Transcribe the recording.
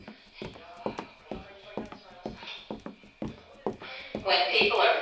いやぁ、おなかいっぱいになってしまいました。